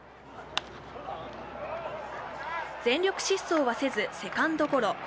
全力疾走はせずセカンドゴロ。